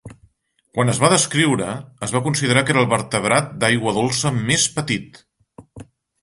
Quan es va descriure, es va considerar que era el vertebrat d'aigua dolça més petit.